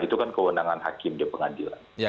itu kan kewenangan hakim di pengadilan